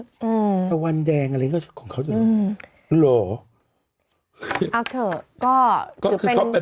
อืมตะวันแดงอะไรอย่างนี้ก็คงเขาจะอืมหรอเอาเถอะก็คือเป็นแบบ